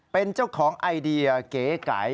เป็นเจ้าของไอเดียเก๋ไก่